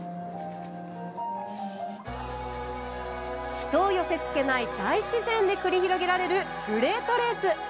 人を寄せつけない大自然で繰り広げられる「グレートレース」。